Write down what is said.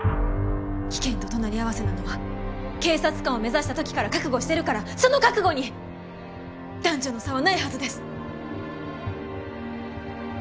危険と隣り合わせなのは警察官を目指した時から覚悟してるからその覚悟に男女の差はないはずです。